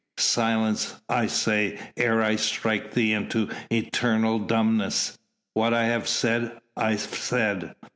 "Silence, I say! ere I strike thee into eternal dumbness. What I have said, I've said.